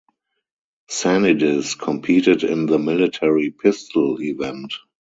Sanidis competed in the military pistol event.